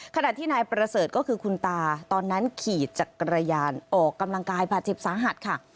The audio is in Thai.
ขณะที่นายประเสริฐก็คือคุณตาตอนนั้นขี่จักรยานออกกำลังกายบาดเจ็บสาหัสค่ะ